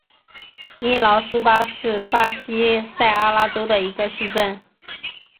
伊劳苏巴是巴西塞阿拉州的一个市镇。